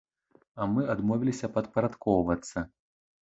А мы адмовіліся падпарадкоўвацца.